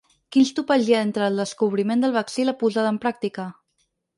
Quins topalls hi ha entre el descobriment del vaccí i la posada en pràctica?